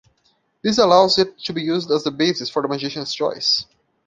This allows it to be used as the basis for a Magician's Choice.